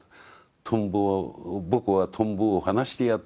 トンボを僕はトンボを放してやった。